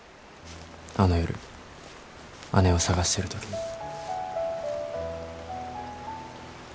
あの夜姉を捜してるときに。